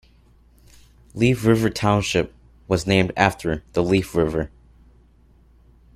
Leaf River Township was named after the Leaf River.